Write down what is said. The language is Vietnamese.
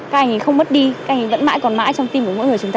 các anh ấy không mất đi các anh ấy vẫn mãi còn mãi trong tim của mỗi người chúng ta